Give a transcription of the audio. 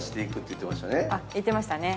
言ってましたね。